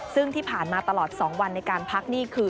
ซึ่งที่ผ่านมาตลอด๒วันในการพักนี่คือ